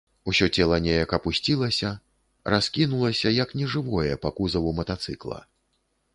Усё цела неяк апусцілася, раскінулася, як нежывое, па кузаву матацыкла.